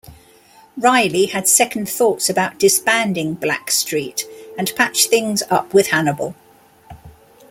Riley had second thoughts about disbanding Blackstreet, and patched things up with Hannibal.